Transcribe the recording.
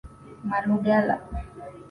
Malugala